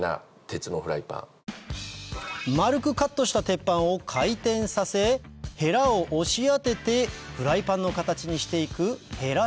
丸くカットした鉄板を回転させへらを押し当ててフライパンの形にしていくへら